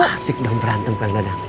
asik dong berantem perang dadah